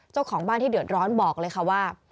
เจ้าของบ้านที่เดือดร้อนบอกเลยค่ะว่า